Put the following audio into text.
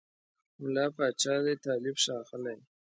مُلا پاچا دی طالب ښاغلی